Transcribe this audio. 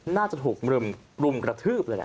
น่าจะถูกเริ่มปลุ่มกระทืบเลย